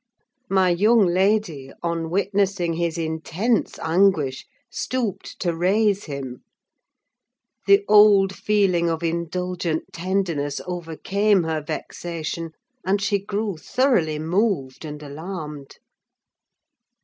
My young lady, on witnessing his intense anguish, stooped to raise him. The old feeling of indulgent tenderness overcame her vexation, and she grew thoroughly moved and alarmed.